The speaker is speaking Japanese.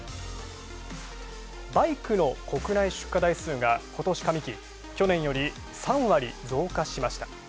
バイクの国内出荷台数がことし上期、去年より３割増加しました。